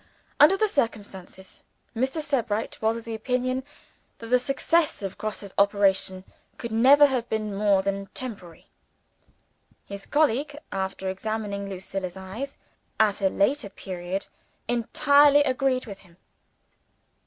Under the circumstances, Mr. Sebright was of opinion that the success of Grosse's operation could never have been more than temporary. His colleague, after examining Lucilla's eyes, at a later period, entirely agreed with him.